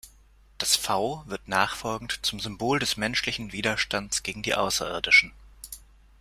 Das „V“ wird nachfolgend zum Symbol des menschlichen Widerstands gegen die Außerirdischen.